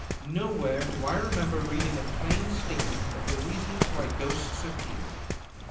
Nowhere do I remember reading a plain statement of the reason why ghosts are feared.